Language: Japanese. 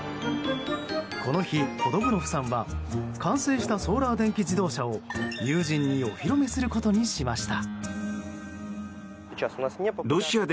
この日、ポドブノフさんは完成したソーラー電気自動車を友人にお披露目することにしました。